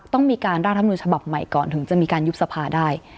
ต้องมีการร่างรัฐมนุนฉบับใหม่ก่อนถึงจะมีการยุบสภาได้